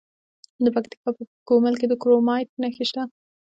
د پکتیکا په ګومل کې د کرومایټ نښې شته.